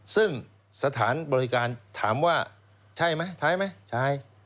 ซึ่งสถานบริการถามว่าใช่ไหมท้ายไหมใช้